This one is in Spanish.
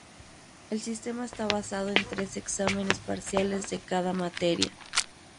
El sistema está basado en tres exámenes parciales de cada materia.